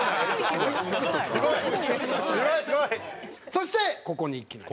そしてここにいきなり。